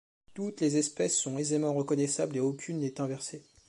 Toutes les espèces sont aisément reconnaissables et aucune n'est inversée.